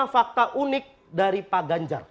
fakta unik dari pak ganjar